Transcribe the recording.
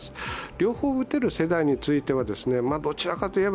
両方打てる世代については、どちらかといえば、